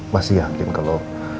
masih yakin kalau